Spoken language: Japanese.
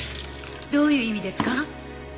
どういう意味ですか？